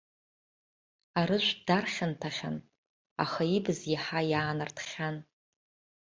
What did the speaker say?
Арыжәтә дархьанҭахьан, аха ибз иаҳа иаанартхьан.